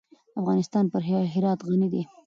افغانستان په هرات غني دی.